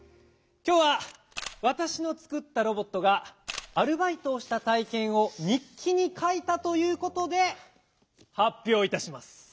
きょうはわたしのつくったロボットがアルバイトをしたたいけんを日記にかいたということで発表いたします。